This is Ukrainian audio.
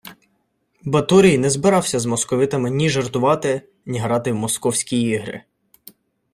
Баторій не збирався з московитами ні жартувати, ні грати в «московські ігри»